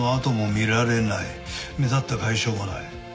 目立った外傷はない。